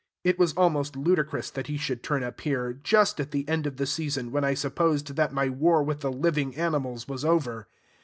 It was almost ludicrous that he should turn up here, just at the end of the season, when I supposed that my war with the living animals was over.